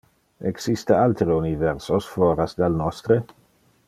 Existe altere universos foras del nostre?